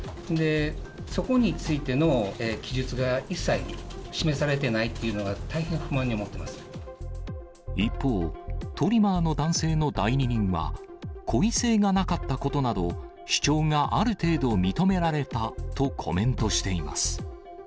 そこについての記述が一切示されてないっていうのが大変不満に思一方、トリマーの男性の代理人は、故意性がなかったことなど、主張がある程度、認められたとコメントしています。